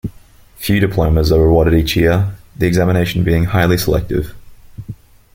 Few Diplomas are awarded each year, the examination being highly selective.